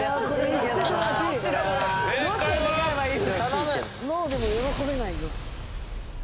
ローでも喜べないよ。